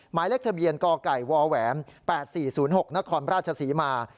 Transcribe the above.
หมายเลขทะเบียนกไก่วแหว๘๔๐๖นครราชศรีมา